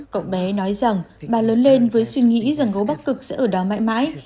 cậu bé nói rằng bà lớn lên với suy nghĩ rằng gố bắc cực sẽ ở đó mãi mãi